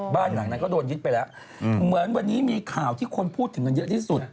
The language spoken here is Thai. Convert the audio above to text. บ้านหลังนั้นก็โดนยึดไปแล้วเหมือนวันนี้มีข่าวที่คนพูดถึงกันเยอะที่สุด